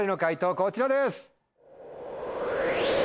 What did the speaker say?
こちらです！